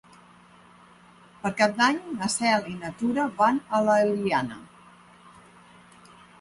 Per Cap d'Any na Cel i na Tura van a l'Eliana.